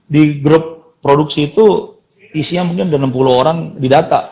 di grup produksi itu isinya mungkin sudah enam puluh orang didata